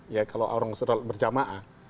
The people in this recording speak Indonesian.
ya kalau orang berjamaah